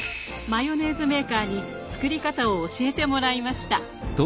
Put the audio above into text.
マヨネーズメーカーに作り方を教えてもらいました。